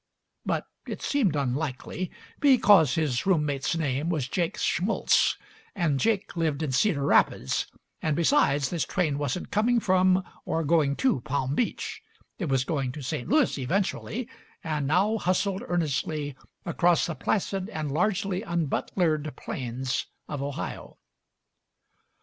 But it seemed unlikely, because his roommate's name was Jake Schmulze, and Jake lived in Cedar Rapids; and, besides, this train wasn't coming from or going to Palm Beach — it was going to St. Louis eventually, and now hustled earnestly across the placid and largely unbutlered plains of Ohio.